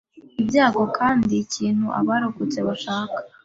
ibyago kandi ikintu abarokotse bashaka